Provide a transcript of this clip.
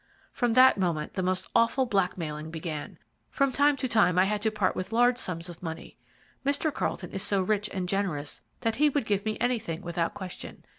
From that moment the most awful blackmailing began. From time to time I had to part with large sums of money. Mr. Carlton is so rich and generous that he would give me anything without question.